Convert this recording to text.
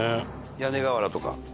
屋根瓦とか。